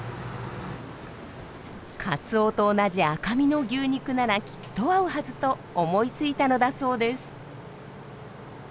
カツオと同じ赤身の牛肉ならきっと合うはずと思いついたのだそうです。